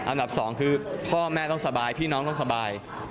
อันดับสองคือพ่อแม่ต้องสบายพี่น้องต้องสบาย